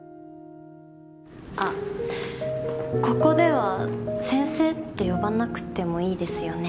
あっここでは先生って呼ばなくってもいいですよね？